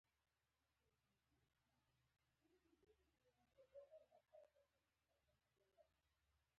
ځمکه د افغانستان د چاپیریال د مدیریت لپاره مهم دي.